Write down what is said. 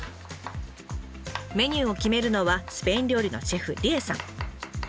メニューを決めるのはスペイン料理のシェフ里延さん。